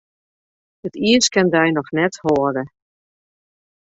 It iis kin dy noch net hâlde.